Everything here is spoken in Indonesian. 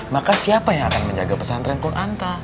maka siapa yang akan menjaga pesantren kunanta